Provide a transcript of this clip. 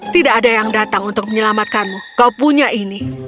tidak ada yang datang untuk menyelamatkanmu kau punya ini